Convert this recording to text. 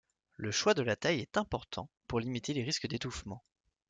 Le choix de la taille est important pour limiter les risques d'étouffement.